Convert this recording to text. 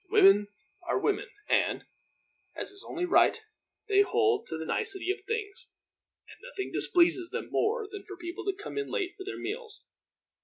"Women are women and, as is only right, they hold to the nicety of things; and nothing displeases them more than for people to come in late for their meals.